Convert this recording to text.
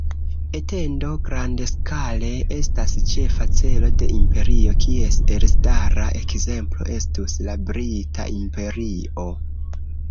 Etendo grandskale estas ĉefa celo de imperio, kies elstara ekzemplo estus la Brita Imperio.